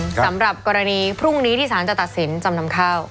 สำหรับกรณีพรุ่งนี้ที่สารจะตัดสินจำนำข้าว